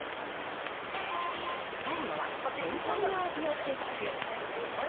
最後は全体の味をチェック。